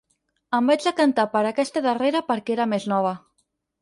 Em vaig decantar per aquesta darrera perquè era més nova.